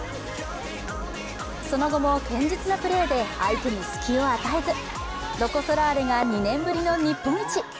その後も堅実なプレーで相手に隙を与えず、ロコ・ソラーレが２年ぶりの日本一。